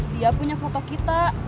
dia punya foto kita